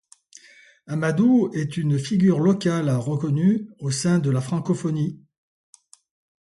Amadou est une figure locale reconnue au sein de la Francophonie.